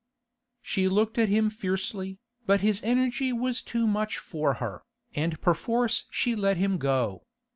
She looked at him fiercely, but his energy was too much for her, and perforce she let him go.